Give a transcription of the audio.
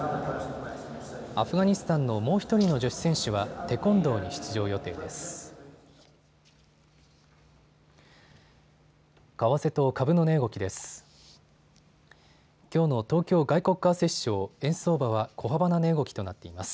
アフガニスタンのもう１人の女子選手はテコンドーに出場予定です。